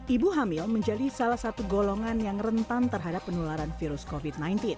ibu hamil menjadi salah satu golongan yang rentan terhadap penularan virus covid sembilan belas